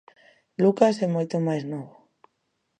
Lucas é moito máis novo.